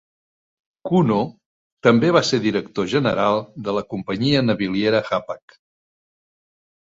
Cuno també va ser director general de la companyia naviliera Hapag.